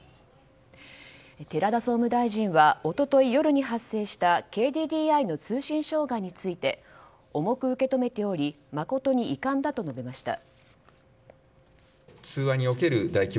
寺田総務大臣は一昨日夜に発生したＫＤＤＩの通信障害について重く受け止めており誠に遺憾だと述べました。